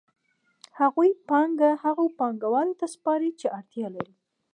هغوی پانګه هغو پانګوالو ته سپاري چې اړتیا لري